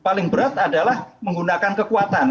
paling berat adalah menggunakan kekuatan